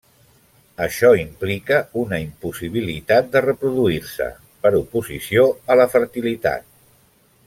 Això implica una impossibilitat de reproduir-se, per oposició a la fertilitat.